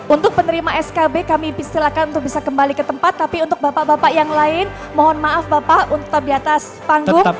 untuk penerima skb kami istilahkan untuk bisa kembali ke tempat tapi untuk bapak bapak yang lain mohon maaf bapak untuk tetap di atas panggung